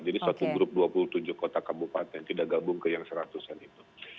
jadi satu grup dua puluh tujuh kota kabupaten tidak gabung ke yang seratus an itu